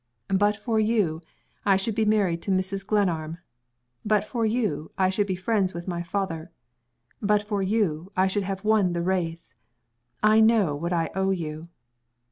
"But for you, I should be married to Mrs. Glenarm. But for you, I should be friends with my father. But for you, I should have won the race. I know what I owe you."